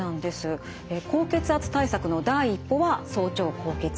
高血圧対策の第一歩は早朝高血圧。